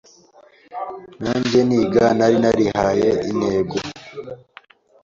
Nange niga nari narihaye intego